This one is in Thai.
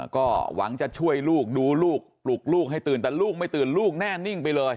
ก็หวังจะช่วยลูกดูลูกปลุกลูกให้ตื่นแต่ลูกไม่ตื่นลูกแน่นิ่งไปเลย